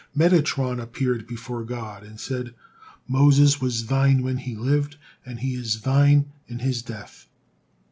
Metatron appeared before God and said: "Moses was thine when he lived, and he is Thine in his death."